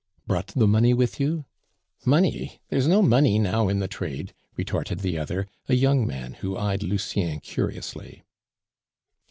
"Brought the money with you?" "Money? There is no money now in the trade," retorted the other, a young man who eyed Lucien curiously.